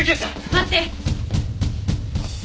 待って！